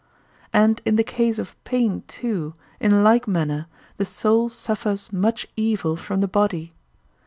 And in the case of pain too in like manner the soul suffers much evil from the body.